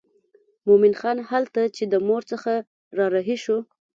مومن خان هلته چې د مور څخه را رهي شو.